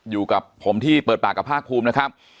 อยู่กับผมที่เปิดปากกับภาคภูมินะครับ